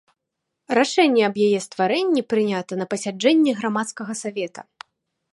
Рашэнне аб яе стварэнні прынята на пасяджэнні грамадскага савета.